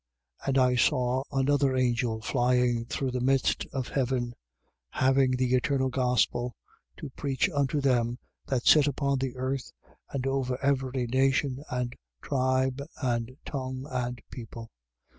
14:6. And I saw another angel flying through the midst of heaven, having the eternal gospel, to preach unto them that sit upon the earth and over every nation and tribe and tongue and people: 14:7.